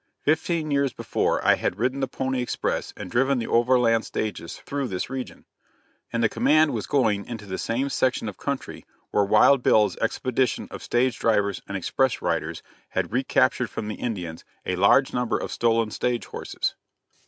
Fifteen years before, I had ridden the pony express and driven the overland stages through this region, and the command was going into the same section of country where Wild Bill's expedition of stage drivers and express riders had recaptured from the Indians a large number of stolen stage horses.